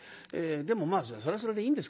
でもまあそれはそれでいいんですけども。